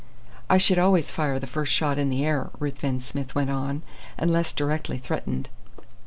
"I should always fire the first shot in the air," Ruthven Smith went on, "unless directly threatened."